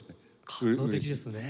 感動的ですね。